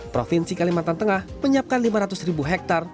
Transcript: provinsi kalimantan tengah menyiapkan lima ratus ribu hektare